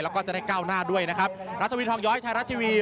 แล้วก็จะได้ก้าวหน้าด้วยนะครับรัฐวินทองย้อยไทยรัฐทีวี